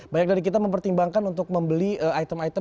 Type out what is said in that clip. banyak dari kita mempertimbangkan untuk membeli item item